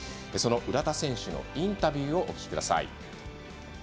浦田選手のインタビューをお聞きください。